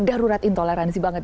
darurat intoleransi banget